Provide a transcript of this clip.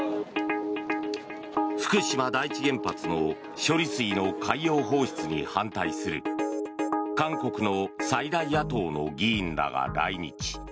福島第一原発の処理水の海洋放出に反対する韓国の最大野党の議員らが来日。